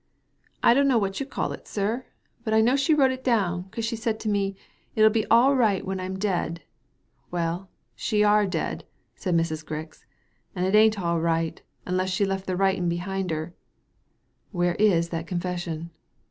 ^^ I dunno what you call it, sir ; but I know she wrote it down, 'cause she said to me, ' It'll be all right when Pm dead/ Well, she are dead, said Mrs. Grix, ''and it ain't all right, unless she left the writin' behind hen" " Where is that confession